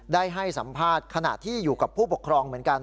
ได้ให้สัมภาษณ์ขณะที่อยู่กับผู้ปกครองเหมือนกัน